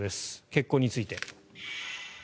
結婚について。